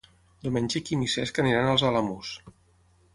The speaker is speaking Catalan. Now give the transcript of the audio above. Diumenge en Quim i en Cesc aniran als Alamús.